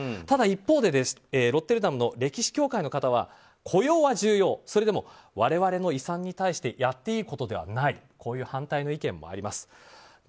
ただ、一方でロッテルダムの歴史協会の方は雇用は重要、それでも我々の遺産に対してやっていいことではないというこういう反対の意見もあります。